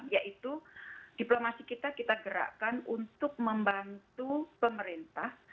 yaitu diplomasi kita kita gerakkan untuk membantu pemerintah